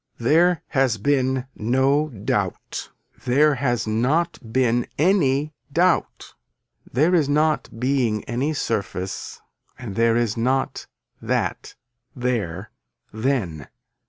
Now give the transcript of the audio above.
There has been no doubt. There has not been any doubt. There is not being any surface and there is not that there then.